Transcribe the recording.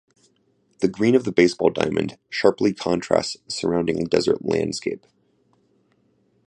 The green of the baseball diamond sharply contrasts the surrounding desert landscape.